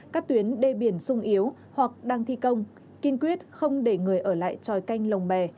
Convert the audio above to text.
các tuyến đê biển sung yếu hoặc đang thi công kiên quyết không để người ở lại tròi canh lồng bè